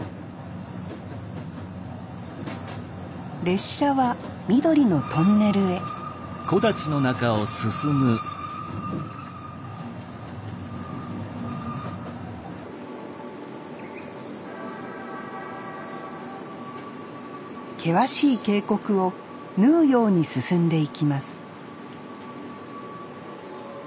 列車は緑のトンネルへ険しい渓谷を縫うように進んでいきます